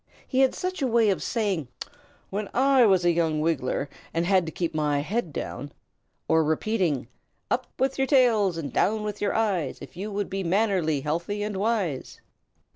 He had such a way of saying, "When I was a young Wiggler and had to keep my head down," or repeating, "Up with your tails and down with your eyes, if you would be mannerly, healthy, and wise."